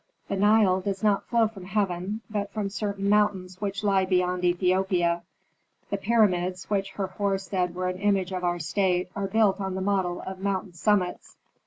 "The Nile does not flow from heaven, but from certain mountains which lie beyond Ethiopia. The pyramids, which Herhor said were an image of our state, are built on the model of mountain summits.